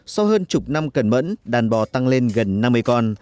sau hơn chục năm cẩn mẫn đàn bò tăng lên gần năm mươi con